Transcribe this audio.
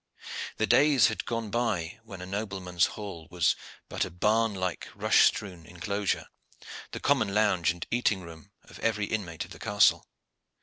The days had gone by when a nobleman's hall was but a barn like, rush strewn enclosure, the common lounge and eating room of every inmate of the castle.